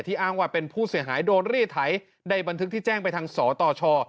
อ้างว่าเป็นผู้เสียหายโดนรีดไถในบันทึกที่แจ้งไปทางสตช